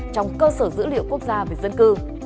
trong cơ sở dữ liệu quốc gia về dân cư